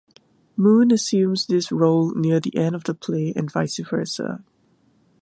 Moon assumes this role near the end of the play, and vice versa.